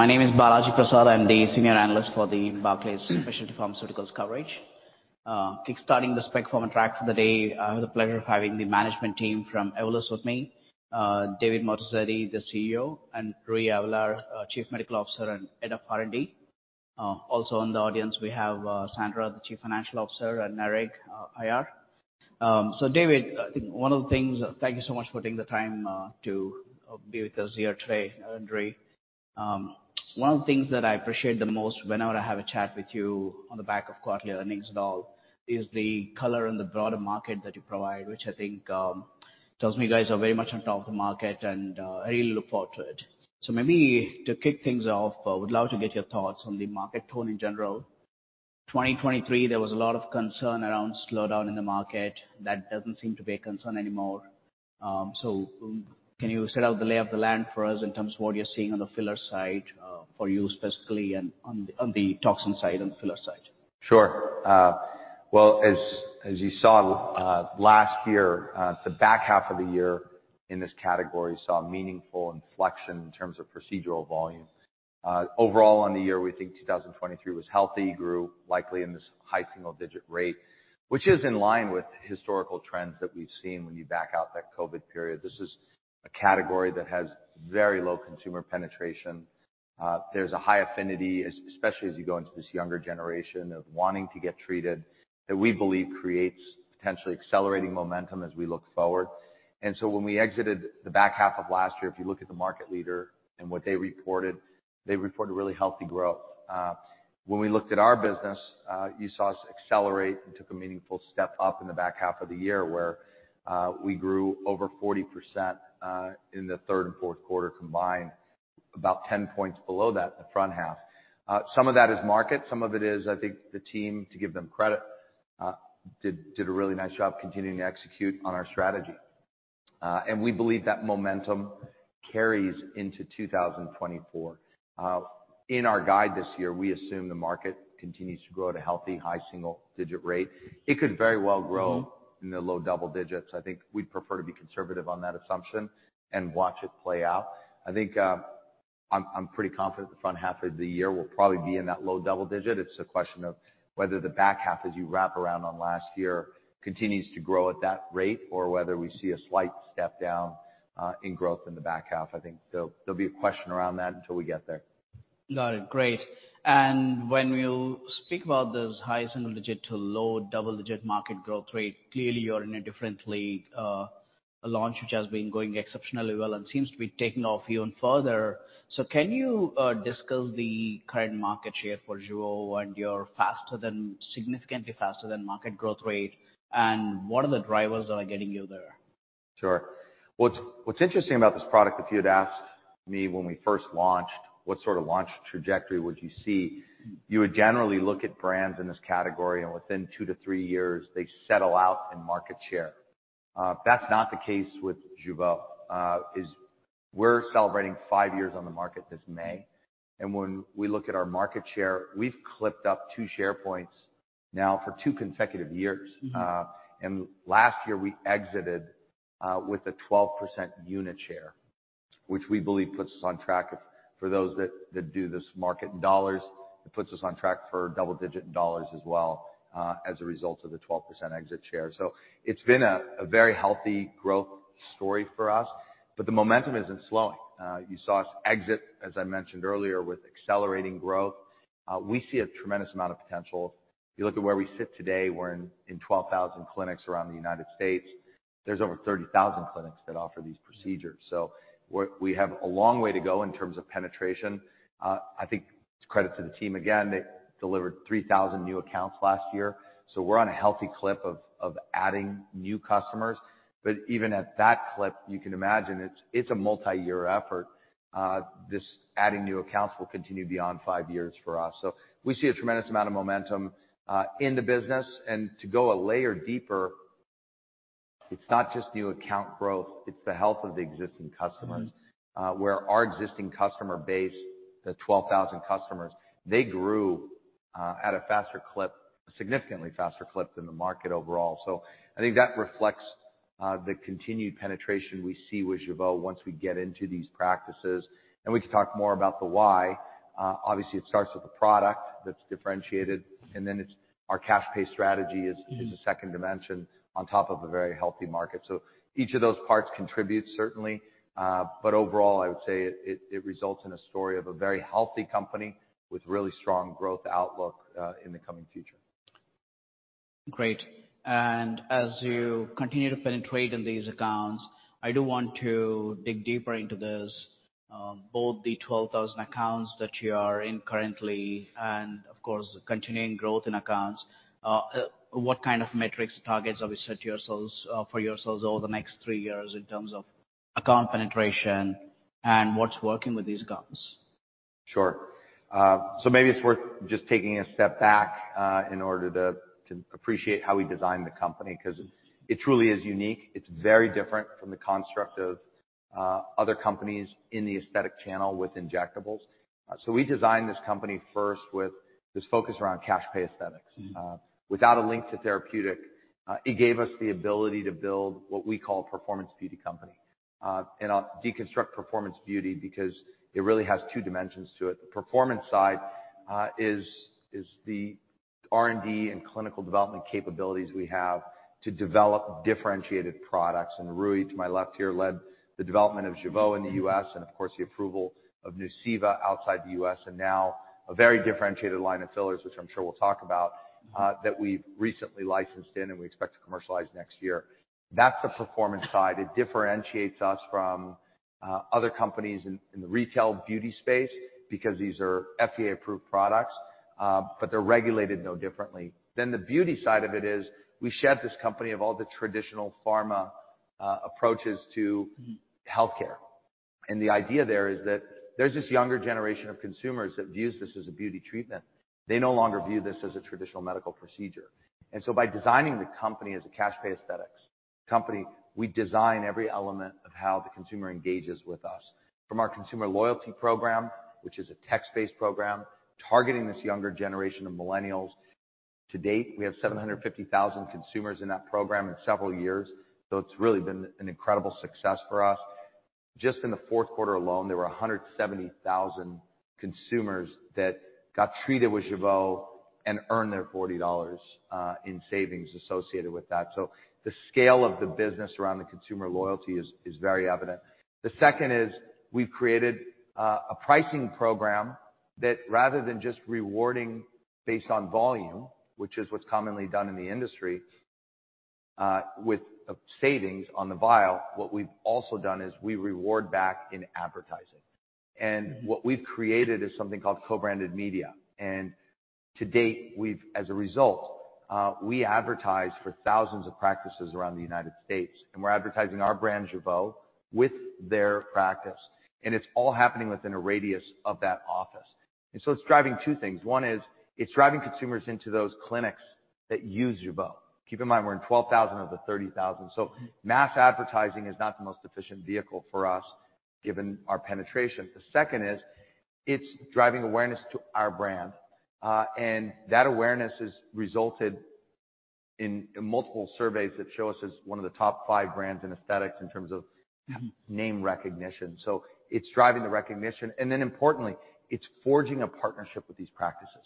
My name is Balaji Prasad. I'm the Senior Analyst for the Barclays Specialty Pharmaceuticals coverage. Kickstarting the spec forum track for the day, I have the pleasure of having the management team from Evolus with me, David Moatazedi, the CEO, and Rui Avelar, Chief Medical Officer and Head of R&D. Also in the audience, we have Sandra, the Chief Financial Officer, and Nareg, IR. So David, I think one of the things, thank you so much for taking the time to be with us here today, and Rui. One of the things that I appreciate the most whenever I have a chat with you on the back of quarterly earnings and all is the color and the broader market that you provide, which I think tells me you guys are very much on top of the market and I really look forward to it. So maybe to kick things off, I would love to get your thoughts on the market tone in general. 2023, there was a lot of concern around slowdown in the market. That doesn't seem to be a concern anymore. So can you set out the lay of the land for us in terms of what you're seeing on the filler side for you specifically and on the toxin side, on the filler side? Sure. Well, as you saw last year, the back half of the year in this category saw meaningful inflection in terms of procedural volume. Overall, on the year, we think 2023 was healthy, grew likely in this high single-digit rate, which is in line with historical trends that we've seen when you back out that COVID period. This is a category that has very low consumer penetration. There's a high affinity, especially as you go into this younger generation, of wanting to get treated that we believe creates potentially accelerating momentum as we look forward. And so when we exited the back half of last year, if you look at the market leader and what they reported, they reported really healthy growth. When we looked at our business, you saw us accelerate and took a meaningful step up in the back half of the year where we grew over 40% in the third and fourth quarter combined, about 10 points below that in the front half. Some of that is market. Some of it is, I think, the team, to give them credit, did a really nice job continuing to execute on our strategy. And we believe that momentum carries into 2024. In our guide this year, we assume the market continues to grow at a healthy, high single-digit rate. It could very well grow in the low double digits. I think we'd prefer to be conservative on that assumption and watch it play out. I think I'm pretty confident the front half of the year will probably be in that low double digit. It's a question of whether the back half, as you wrap around on last year, continues to grow at that rate or whether we see a slight step down in growth in the back half. I think there'll be a question around that until we get there. Got it. Great. When you speak about this high single-digit to low double-digit market growth rate, clearly you're in a different league, a launch which has been going exceptionally well and seems to be taking off even further. Can you discuss the current market share for Jeuveau and your significantly faster-than-market growth rate, and what are the drivers that are getting you there? Sure. What's interesting about this product, if you had asked me when we first launched, what sort of launch trajectory would you see, you would generally look at brands in this category and within 2-3 years, they settle out in market share. That's not the case with Jeuveau. We're celebrating five years on the market this May. And when we look at our market share, we've clipped up two share points now for two consecutive years. And last year, we exited with a 12% unit share, which we believe puts us on track. For those that do this market in dollars, it puts us on track for double-digit in dollars as well as a result of the 12% exit share. So it's been a very healthy growth story for us, but the momentum isn't slowing. You saw us exit, as I mentioned earlier, with accelerating growth. We see a tremendous amount of potential. If you look at where we sit today, we're in 12,000 clinics around the United States. There's over 30,000 clinics that offer these procedures. We have a long way to go in terms of penetration. I think credit to the team. Again, they delivered 3,000 new accounts last year. We're on a healthy clip of adding new customers. But even at that clip, you can imagine it's a multi-year effort. This adding new accounts will continue beyond five years for us. We see a tremendous amount of momentum in the business. To go a layer deeper, it's not just new account growth. It's the health of the existing customers where our existing customer base, the 12,000 customers, they grew at a faster clip, a significantly faster clip than the market overall. I think that reflects the continued penetration we see with Jeuveau once we get into these practices. We can talk more about the why. Obviously, it starts with the product that's differentiated, and then our cash-pay strategy is a second dimension on top of a very healthy market. Each of those parts contributes, certainly. Overall, I would say it results in a story of a very healthy company with really strong growth outlook in the coming future. Great. As you continue to penetrate in these accounts, I do want to dig deeper into this, both the 12,000 accounts that you are in currently and, of course, continuing growth in accounts. What kind of metrics and targets have you set for yourselves over the next three years in terms of account penetration and what's working with these accounts? Sure. So maybe it's worth just taking a step back in order to appreciate how we designed the company because it truly is unique. It's very different from the construct of other companies in the aesthetic channel with injectables. So we designed this company first with this focus around cash-pay aesthetics. Without a link to therapeutic, it gave us the ability to build what we call a performance beauty company. And I'll deconstruct performance beauty because it really has two dimensions to it. The performance side is the R&D and clinical development capabilities we have to develop differentiated products. And Rui, to my left here, led the development of Jeuveau in the U.S. and, of course, the approval of Nuceiva outside the U.S. and now a very differentiated line of fillers, which I'm sure we'll talk about, that we've recently licensed in and we expect to commercialize next year. That's the performance side. It differentiates us from other companies in the retail beauty space because these are FDA-approved products, but they're regulated no differently. Then the beauty side of it is we shed this company of all the traditional pharma approaches to healthcare. And the idea there is that there's this younger generation of consumers that views this as a beauty treatment. They no longer view this as a traditional medical procedure. And so by designing the company as a cash-pay aesthetics company, we design every element of how the consumer engages with us. From our consumer loyalty program, which is a text-based program targeting this younger generation of millennials, to date, we have 750,000 consumers in that program in several years. So it's really been an incredible success for us. Just in the fourth quarter alone, there were 170,000 consumers that got treated with Jeuveau and earned their $40 in savings associated with that. So the scale of the business around the consumer loyalty is very evident. The second is we've created a pricing program that rather than just rewarding based on volume, which is what's commonly done in the industry, with savings on the vial, what we've also done is we reward back in advertising. And what we've created is something called co-branded media. And to date, as a result, we advertise for thousands of practices around the United States, and we're advertising our brand, Jeuveau, with their practice. And it's all happening within a radius of that office. And so it's driving two things. One is it's driving consumers into those clinics that use Jeuveau. Keep in mind, we're in 12,000 of the 30,000. So mass advertising is not the most efficient vehicle for us given our penetration. The second is it's driving awareness to our brand. And that awareness has resulted in multiple surveys that show us as one of the top five brands in aesthetics in terms of name recognition. So it's driving the recognition. And then importantly, it's forging a partnership with these practices.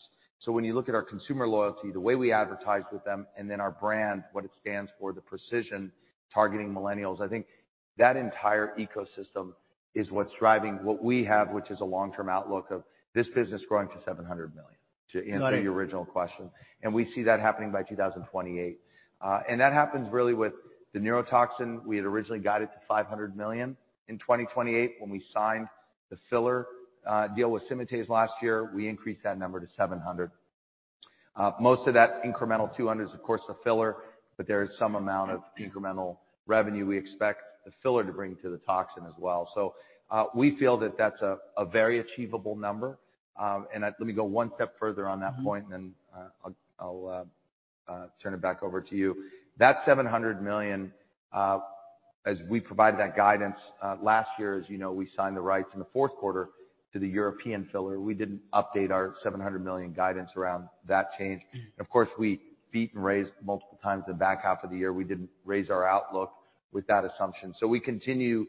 So when you look at our consumer loyalty, the way we advertise with them, and then our brand, what it stands for, the precision targeting millennials, I think that entire ecosystem is what's driving what we have, which is a long-term outlook of this business growing to $700 million, to answer your original question. And we see that happening by 2028. And that happens really with the neurotoxin. We had originally got it to $500 million in 2028 when we signed the filler deal with Symatese last year. We increased that number to $700 million. Most of that incremental $200 million is, of course, the filler, but there is some amount of incremental revenue we expect the filler to bring to the toxin as well. So we feel that that's a very achievable number. And let me go one step further on that point, and then I'll turn it back over to you. That $700 million, as we provided that guidance last year, as you know, we signed the rights in the fourth quarter to the European filler. We didn't update our $700 million guidance around that change. And of course, we beat and raised multiple times in the back half of the year. We didn't raise our outlook with that assumption. We continue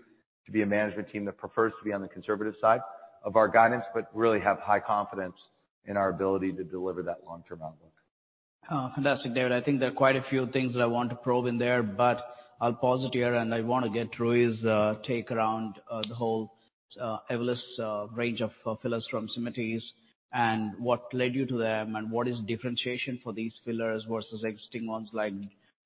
to be a management team that prefers to be on the conservative side of our guidance, but really have high confidence in our ability to deliver that long-term outlook. Fantastic, David. I think there are quite a few things that I want to probe in there, but I'll pause it here. And I want to get Rui's take around the whole Evolus range of fillers from Evolysse and what led you to them and what is differentiation for these fillers versus existing ones like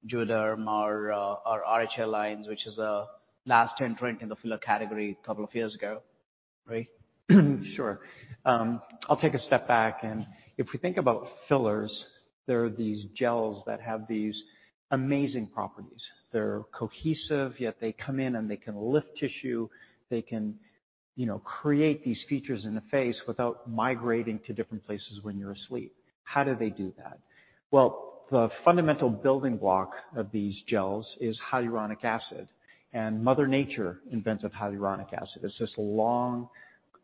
Juvederm or RHA lines, which is the latest entrant in the filler category a couple of years ago, right? Sure. I'll take a step back. If we think about fillers, there are these gels that have these amazing properties. They're cohesive, yet they come in and they can lift tissue. They can create these features in the face without migrating to different places when you're asleep. How do they do that? Well, the fundamental building block of these gels is hyaluronic acid. Mother Nature invents a hyaluronic acid. It's this long,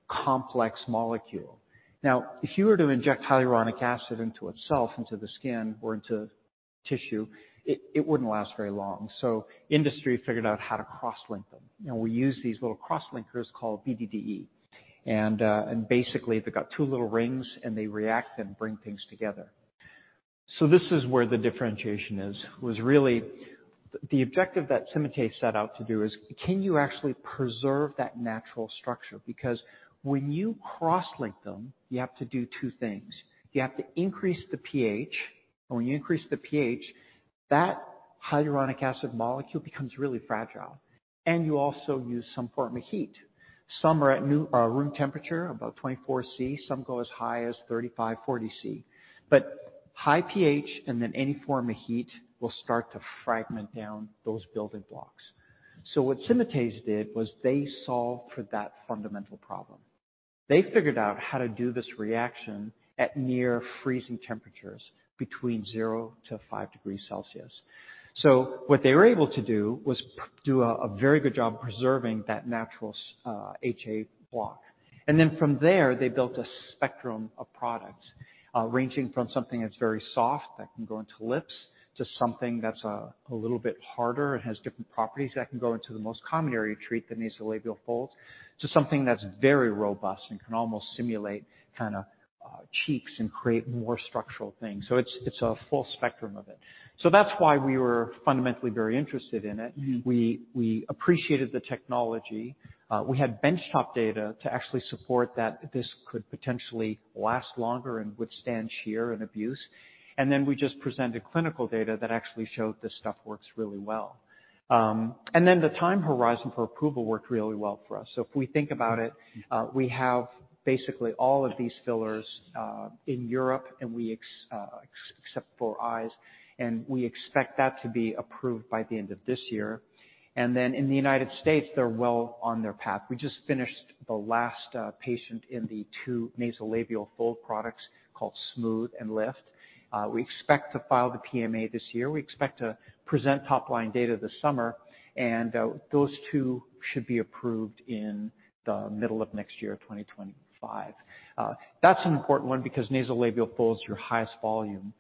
complex molecule. Now, if you were to inject hyaluronic acid into itself, into the skin or into tissue, it wouldn't last very long. So industry figured out how to cross-link them. We use these little cross-linkers called BDDE. Basically, they've got two little rings, and they react and bring things together. So this is where the differentiation is, was really the objective that Cimetase set out to do is, can you actually preserve that natural structure? Because when you cross-link them, you have to do two things. You have to increase the pH. And when you increase the pH, that hyaluronic acid molecule becomes really fragile. And you also use some form of heat. Some are at room temperature, about 24 degrees Celsius. Some go as high as 35 degrees Celsius, 40 degrees Celsius. But high pH and then any form of heat will start to fragment down those building blocks. So what Cimetase did was they solved for that fundamental problem. They figured out how to do this reaction at near-freezing temperatures between 0-5 degrees Celsius. So what they were able to do was do a very good job preserving that natural HA block. And then from there, they built a spectrum of products ranging from something that's very soft that can go into lips to something that's a little bit harder and has different properties that can go into the most common area treated that needs the nasolabial folds to something that's very robust and can almost simulate kind of cheeks and create more structural things. So it's a full spectrum of it. So that's why we were fundamentally very interested in it. We appreciated the technology. We had benchtop data to actually support that this could potentially last longer and withstand shear and abuse. And then we just presented clinical data that actually showed this stuff works really well. And then the time horizon for approval worked really well for us. So if we think about it, we have basically all of these fillers in Europe, except for eyes. We expect that to be approved by the end of this year. Then in the United States, they're well on their path. We just finished the last patient in the two nasolabial fold products called Smooth and Lift. We expect to file the PMA this year. We expect to present top-line data this summer. Those two should be approved in the middle of next year, 2025. That's an important one because nasolabial folds are your highest volume.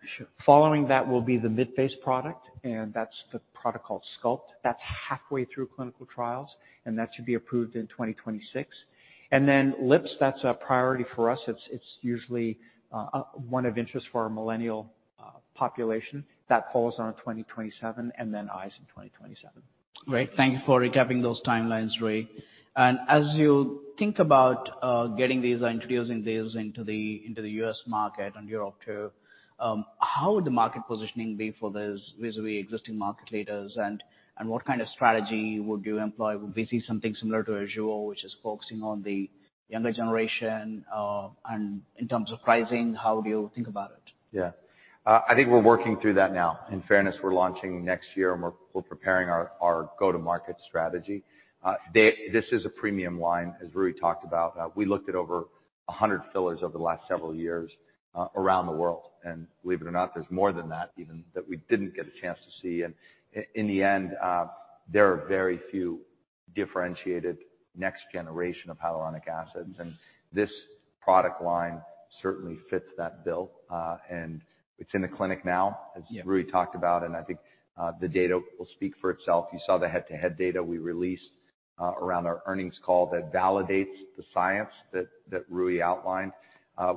Following that will be the mid-face product, and that's the product called Sculpt. That's halfway through clinical trials, and that should be approved in 2026. Then lips, that's a priority for us. It's usually one of interest for our millennial population. That falls on 2027 and then eyes in 2027. Great. Thank you for recapping those timelines, Rui. And as you think about getting these or introducing these into the U.S. market and Europe too, how would the market positioning be for these vis-à-vis existing market leaders, and what kind of strategy would you employ? Would we see something similar to a Jeuveau, which is focusing on the younger generation? And in terms of pricing, how do you think about it? Yeah. I think we're working through that now. In fairness, we're launching next year, and we're preparing our go-to-market strategy. This is a premium line, as Rui talked about. We looked at over 100 fillers over the last several years around the world. Believe it or not, there's more than that even that we didn't get a chance to see. In the end, there are very few differentiated next-generation of hyaluronic acids. This product line certainly fits that bill. It's in the clinic now, as Rui talked about. I think the data will speak for itself. You saw the head-to-head data we released around our earnings call that validates the science that Rui outlined.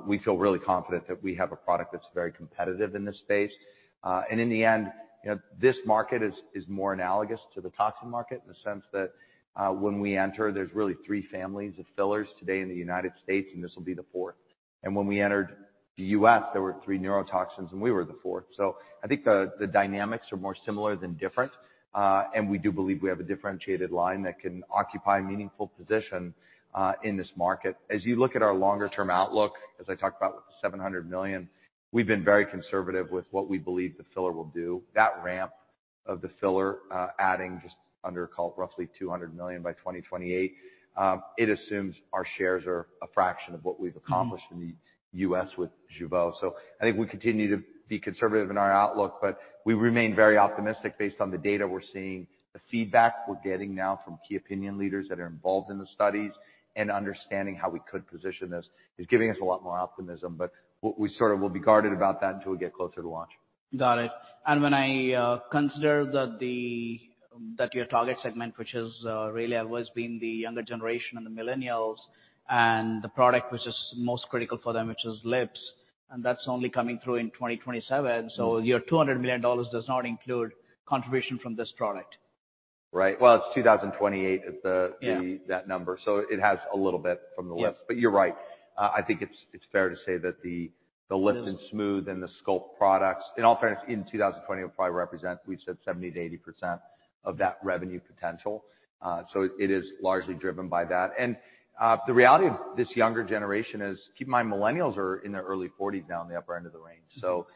We feel really confident that we have a product that's very competitive in this space. In the end, this market is more analogous to the toxin market in the sense that when we enter, there's really three families of fillers today in the United States, and this will be the fourth. When we entered the U.S., there were three neurotoxins, and we were the fourth. I think the dynamics are more similar than different. We do believe we have a differentiated line that can occupy a meaningful position in this market. As you look at our longer-term outlook, as I talked about with the $700 million, we've been very conservative with what we believe the filler will do. That ramp of the filler, adding just under roughly $200 million by 2028, it assumes our shares are a fraction of what we've accomplished in the U.S. with Jeuveau. So I think we continue to be conservative in our outlook, but we remain very optimistic based on the data we're seeing. The feedback we're getting now from key opinion leaders that are involved in the studies and understanding how we could position this is giving us a lot more optimism. But we sort of will be guarded about that until we get closer to launch. Got it. When I consider that your target segment, which has really always been the younger generation and the millennials, and the product which is most critical for them, which is lips, and that's only coming through in 2027, so your $200 million does not include contribution from this product. Right. Well, it's 2028 at that number, so it has a little bit from the lips. But you're right. I think it's fair to say that the Lift and Smooth and the Sculpt products, in all fairness, in 2020 will probably represent, we've said, 70%-80% of that revenue potential. So it is largely driven by that. And the reality of this younger generation is, keep in mind, millennials are in their early 40s now in the upper end of the range. So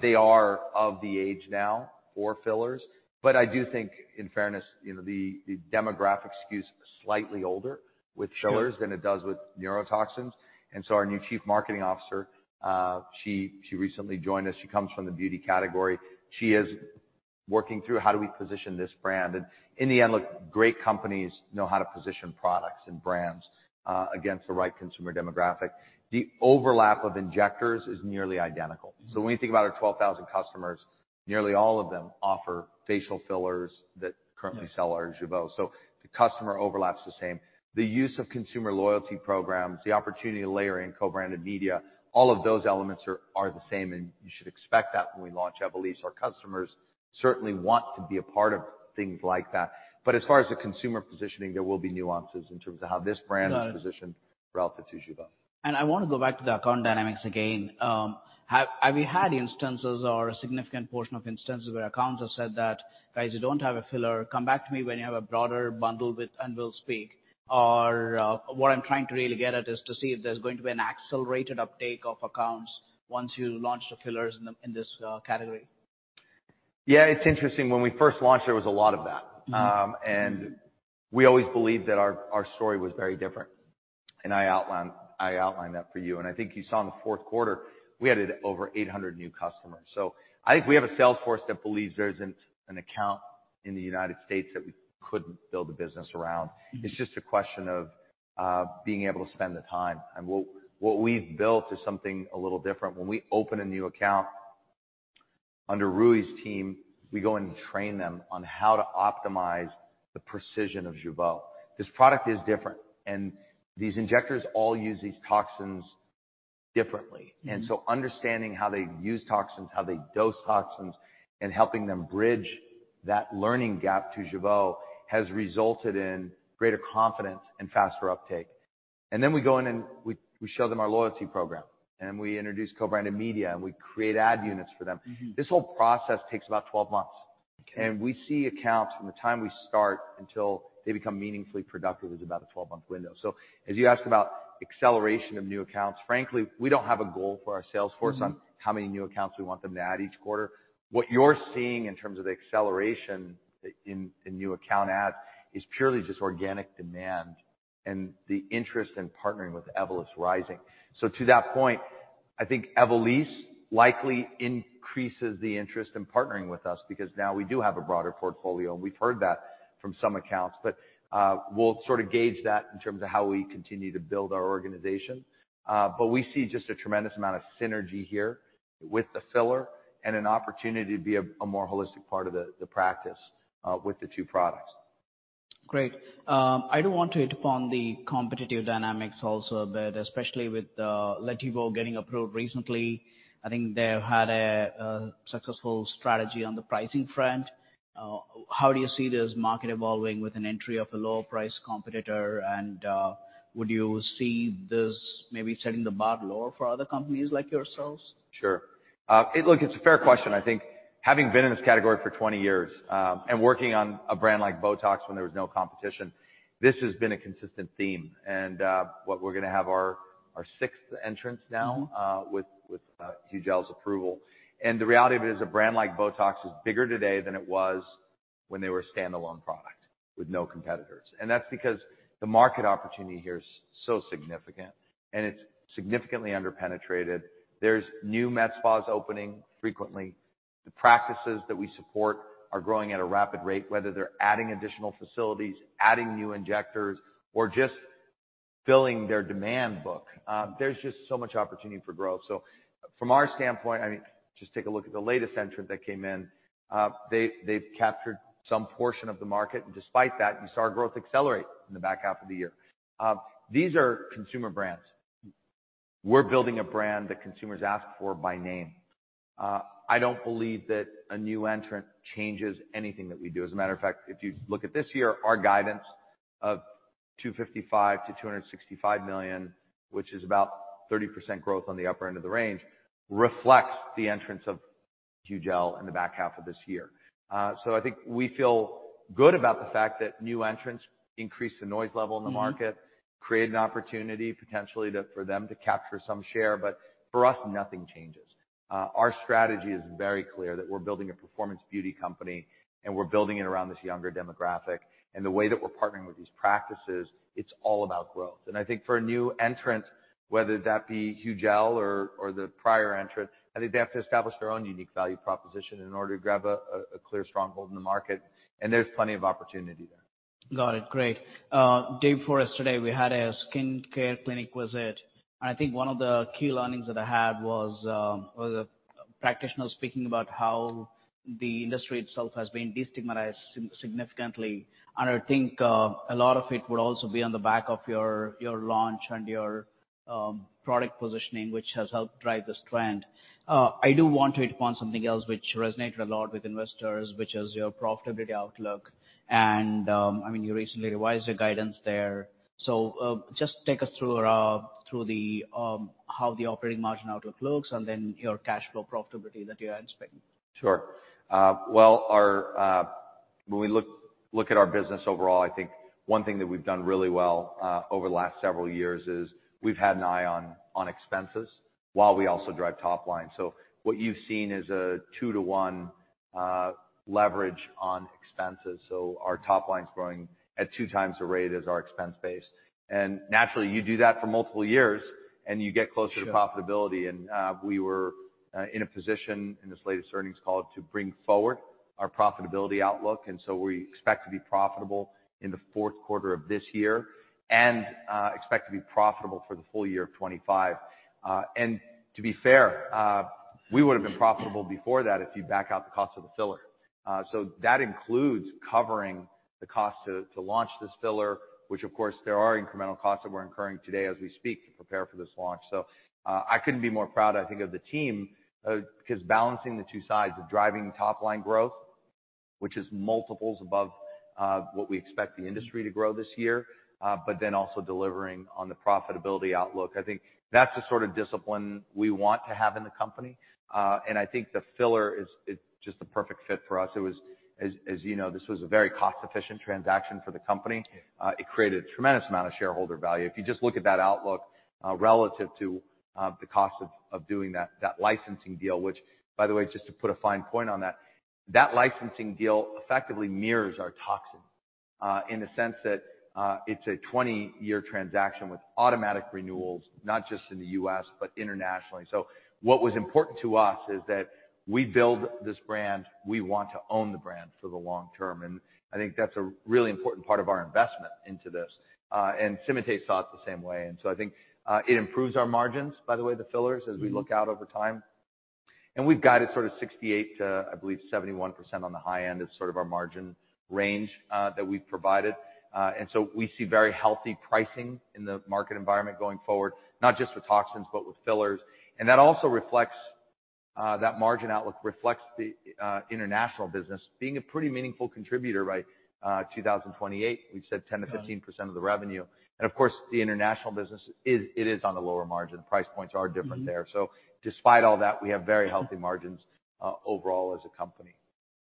they are of the age now for fillers. But I do think, in fairness, the demographic skews slightly older with fillers than it does with neurotoxins. And so our new Chief Marketing Officer, she recently joined us. She comes from the beauty category. She is working through how do we position this brand. In the end, look, great companies know how to position products and brands against the right consumer demographic. The overlap of injectors is nearly identical. When you think about our 12,000 customers, nearly all of them offer facial fillers that currently sell our Jeuveau. The customer overlaps the same. The use of consumer loyalty programs, the opportunity to layer in co-branded media, all of those elements are the same. You should expect that when we launch Evolysse. Our customers certainly want to be a part of things like that. But as far as the consumer positioning, there will be nuances in terms of how this brand is positioned relative to Jeuveau. I want to go back to the account dynamics again. Have we had instances or a significant portion of instances where accounts have said that, "Guys, you don't have a filler. Come back to me when you have a broader bundle with Jeuveau"? Or what I'm trying to really get at is to see if there's going to be an accelerated uptake of accounts once you launch the fillers in this category. Yeah. It's interesting. When we first launched, there was a lot of that. And we always believed that our story was very different. And I outlined that for you. And I think you saw in the fourth quarter, we had over 800 new customers. So I think we have a sales force that believes there isn't an account in the United States that we couldn't build a business around. It's just a question of being able to spend the time. And what we've built is something a little different. When we open a new account under Rui's team, we go and train them on how to optimize the precision of Jeuveau. This product is different. And these injectors all use these toxins differently. And so understanding how they use toxins, how they dose toxins, and helping them bridge that learning gap to Jeuveau has resulted in greater confidence and faster uptake. And then we go in and we show them our loyalty program. And then we introduce co-branded media, and we create ad units for them. This whole process takes about 12 months. And we see accounts from the time we start until they become meaningfully productive is about a 12-month window. So as you asked about acceleration of new accounts, frankly, we don't have a goal for our sales force on how many new accounts we want them to add each quarter. What you're seeing in terms of the acceleration in new account adds is purely just organic demand and the interest in partnering with Evolus rising. So to that point, I think Evolus likely increases the interest in partnering with us because now we do have a broader portfolio. And we've heard that from some accounts. But we'll sort of gauge that in terms of how we continue to build our organization. But we see just a tremendous amount of synergy here with the filler and an opportunity to be a more holistic part of the practice with the two products. Great. I do want to hit upon the competitive dynamics also a bit, especially with the Letybo getting approved recently. I think they've had a successful strategy on the pricing front. How do you see this market evolving with an entry of a lower-priced competitor? Would you see this maybe setting the bar lower for other companies like yourselves? Sure. Look, it's a fair question. I think having been in this category for 20 years and working on a brand like BOTOX when there was no competition, this has been a consistent theme. We're going to have our sixth entrance now with Hugel's approval. The reality of it is a brand like BOTOX is bigger today than it was when they were a standalone product with no competitors. That's because the market opportunity here is so significant, and it's significantly underpenetrated. There's new med spas opening frequently. The practices that we support are growing at a rapid rate, whether they're adding additional facilities, adding new injectors, or just filling their demand book. There's just so much opportunity for growth. From our standpoint, I mean, just take a look at the latest entrant that came in. They've captured some portion of the market. Despite that, you saw our growth accelerate in the back half of the year. These are consumer brands. We're building a brand that consumers ask for by name. I don't believe that a new entrant changes anything that we do. As a matter of fact, if you look at this year, our guidance of $255 million-$265 million, which is about 30% growth on the upper end of the range, reflects the entrance of Hugel in the back half of this year. I think we feel good about the fact that new entrants increase the noise level in the market, create an opportunity potentially for them to capture some share. For us, nothing changes. Our strategy is very clear that we're building a performance beauty company, and we're building it around this younger demographic. The way that we're partnering with these practices, it's all about growth. I think for a new entrant, whether that be Hugel or the prior entrant, I think they have to establish their own unique value proposition in order to grab a clear stronghold in the market. There's plenty of opportunity there. Got it. Great. Dave, for us today, we had a skincare clinic visit. And I think one of the key learnings that I had was practitioners speaking about how the industry itself has been destigmatized significantly. And I think a lot of it would also be on the back of your launch and your product positioning, which has helped drive this trend. I do want to hit upon something else which resonated a lot with investors, which is your profitability outlook. And I mean, you recently revised your guidance there. So just take us through how the operating margin outlook looks and then your cash flow profitability that you're inspecting. Sure. Well, when we look at our business overall, I think one thing that we've done really well over the last several years is we've had an eye on expenses while we also drive top line. So what you've seen is a 2-to-1 leverage on expenses. So our top line's growing at 2 times the rate as our expense base. And naturally, you do that for multiple years, and you get closer to profitability. And we were in a position in this latest earnings call to bring forward our profitability outlook. And so we expect to be profitable in the fourth quarter of this year and expect to be profitable for the full year of 2025. And to be fair, we would have been profitable before that if you back out the cost of the filler. So that includes covering the cost to launch this filler, which, of course, there are incremental costs that we're incurring today as we speak to prepare for this launch. So I couldn't be more proud, I think, of the team because balancing the two sides of driving top line growth, which is multiples above what we expect the industry to grow this year, but then also delivering on the profitability outlook, I think that's the sort of discipline we want to have in the company. And I think the filler is just the perfect fit for us. As you know, this was a very cost-efficient transaction for the company. It created a tremendous amount of shareholder value. If you just look at that outlook relative to the cost of doing that licensing deal, which, by the way, just to put a fine point on that, that licensing deal effectively mirrors our toxin in the sense that it's a 20-year transaction with automatic renewals, not just in the U.S., but internationally. What was important to us is that we build this brand. We want to own the brand for the long term. I think that's a really important part of our investment into this. Cimetase thought the same way. I think it improves our margins, by the way, the fillers, as we look out over time. We've got it sort of 68%-71% on the high end is sort of our margin range that we've provided. We see very healthy pricing in the market environment going forward, not just with toxins, but with fillers. That also reflects that margin outlook, reflects the international business being a pretty meaningful contributor by 2028. We've said 10%-15% of the revenue. Of course, the international business, it is on a lower margin. Price points are different there. Despite all that, we have very healthy margins overall as a company.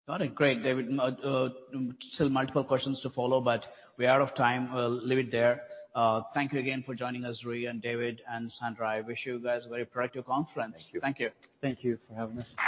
Got it. Great, David. Still multiple questions to follow, but we are out of time. We'll leave it there. Thank you again for joining us, Rui and David and Sandra. I wish you guys a very productive conference. Thank you. Thank you. Thank you for having us.